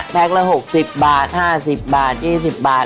ละ๖๐บาท๕๐บาท๒๐บาท